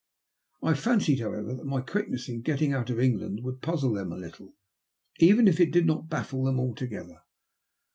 I fancied, however, that my quickness in getting out of England would puzzle them a little, even if it did not baffle them altogether.